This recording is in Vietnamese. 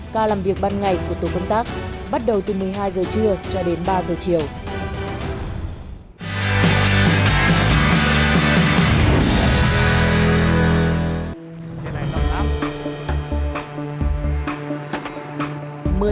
các làm việc ban ngày của tổ công tác bắt đầu từ một mươi hai h trưa cho đến ba h chiều